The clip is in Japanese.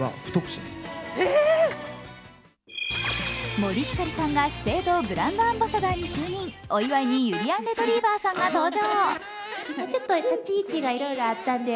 森星さんが資生堂ブランドアンバサダーに就任お祝いに、ゆりやんレトリィバァさんが登場。